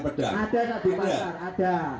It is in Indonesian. di pasar ada